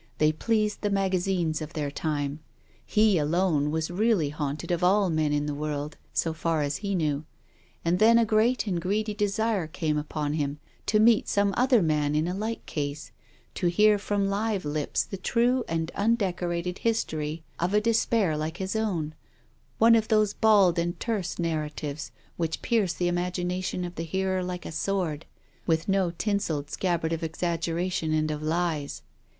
They pleased the magazines of their time. He alone was really haunted of all men in the world, so far as he knew. And then a great and greedy desire came upon him to meet some other man in a like case, to hear from live lips the true and undecorated history of a despair like his own, one of those bald and terse narratives which pierce the imagination of the hearer like a sword, with no tinselled scabbard of exaggeration and of lies.